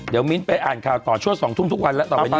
เดี๋ยวมิ้นไปอ่านข่าวต่อชั่ว๒ทุ่มทุกวันแล้วต่อไปนี้